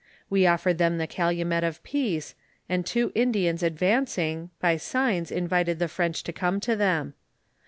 We offered them the calumet of peace, and two Indians advancing, by signs invited the French to come to them.